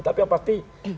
tapi yang pasti